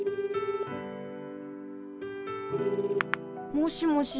もしもし？